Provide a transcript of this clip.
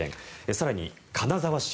更に、金沢市、